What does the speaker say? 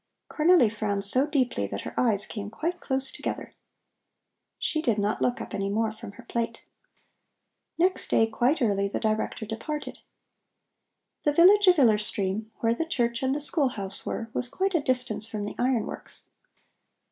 Cornelli frowned so deeply that her eyes came quite close together. She did not look up any more from her plate. Next day quite early the Director departed. The village of Iller Stream, where the church and the school house were, was quite a distance from the iron works.